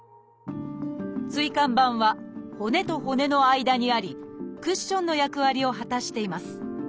椎間板は骨と骨の間にありクッションの役割を果たしています。